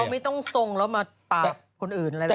เราไม่ต้องทรงแล้วมาปราบคนอื่นอะไรแบบนี้